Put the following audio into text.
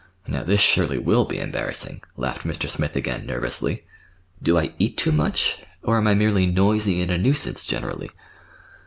"Now this surely will be embarrassing," laughed Mr. Smith again nervously. "Do I eat too much, or am I merely noisy, and a nuisance generally?"